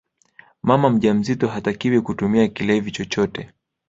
mama mjamzito hatakiwi kutumia kilevi chochote